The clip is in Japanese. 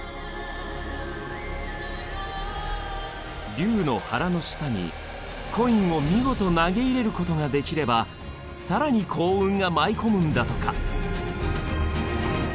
龍の腹の下にコインを見事投げ入れることができれば更に幸運が舞い込むんだとか。